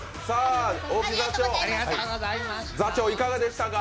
大木座長、いかがでしたか？